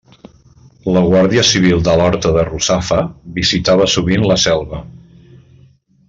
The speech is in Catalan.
La guàrdia civil de l'horta de Russafa visitava sovint la selva.